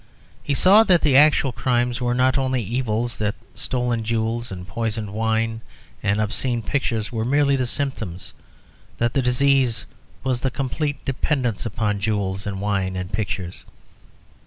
He saw, that the actual crimes were not the only evils: that stolen jewels and poisoned wine and obscene pictures were merely the symptoms; that the disease was the complete dependence upon jewels and wine and pictures.